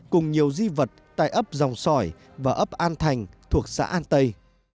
cùng nhiều di vật tại ấp dòng sỏi và ấp an thành thuộc xã an tây